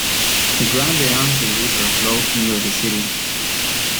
The Grande-Anse River flows near the city.